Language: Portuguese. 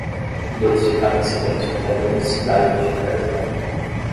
E eles ficaram em silêncio até a grande cidade digitalizar.